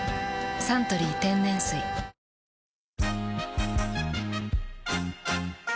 「サントリー天然水」さぁ